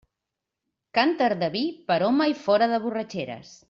Cànter de vi per home i fora de borratxeres.